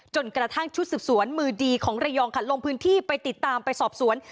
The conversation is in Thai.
จนกระทั่งชุดสืบสวนมือดีของระยองค่ะลงพื้นที่ไปติดตามไปสอบสวน